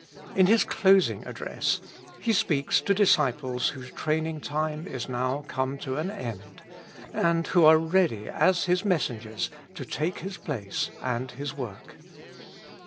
In His closing address He speaks to disciples whose training time is now come to an end, and who are ready as His messengers to take His place and His work.